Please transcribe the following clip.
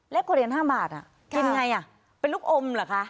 เล็กกว่าเหรียญห้าบาทอ่ะกินไงอ่ะเป็นลูกอมเหรอคะ